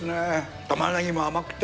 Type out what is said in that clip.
玉ねぎも甘くて。